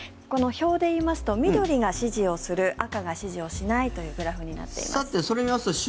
この表で言いますと緑が支持をする赤が支持をしないというグラフになっています。